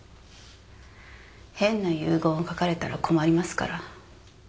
変な遺言を書かれたら困りますから